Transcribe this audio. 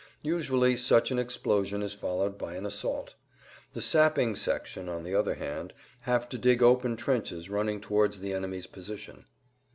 Usually such an explosion is followed by an assault. The sapping section, on the other hand, have to dig open trenches running towards the enemy's position.